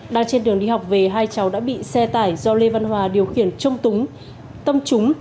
đang trên đường đi học về hai cháu đã bị xe tải do lê văn hòa điều khiển trông túng tâm chúng